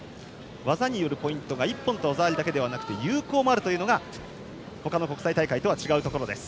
技によるポイントが一本と技ありだけではなく有効もあるのが他の国際大会とは違います。